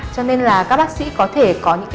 cho nên là các bác sĩ có thể có những cái